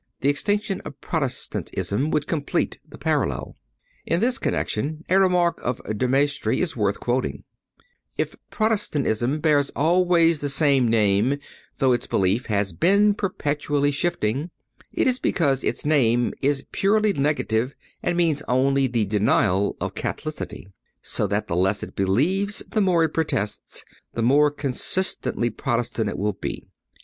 The extinction of Protestantism would complete the parallel. In this connection a remark of De Maistre is worth quoting: "If Protestantism bears always the same name, though its belief has been perpetually shifting, it is because its name is purely negative and means only the denial of Catholicity, so that the less it believes, and the more it protests, the more consistently Protestant it will be.